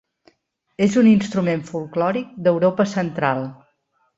És un instrument folklòric d'Europa Central.